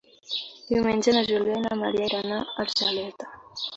Diumenge na Júlia i na Maria iran a Argeleta.